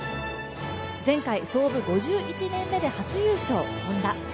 前回、創部５１年目で初優勝、Ｈｏｎｄａ。